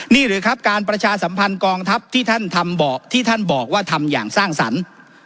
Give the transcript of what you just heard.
นี่แหละครับการประชาสัมพันธ์กองทัพที่ท่านบอกว่าทำอย่างสร้างสรรค์